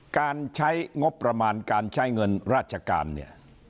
การใช้งบประมาณการใช้เงินราชการเนี่ย